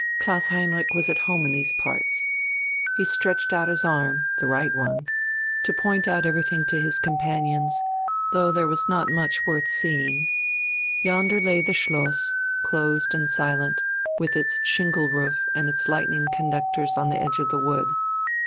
Klaus Heinrich was at home in these parts: he stretched out his arm (the right one) to point out everything to his companions, though there was not much worth seeing. Yonder lay the Schloss, closed and silent, with its shingle roof and its lightning conductors on the edge of the wood.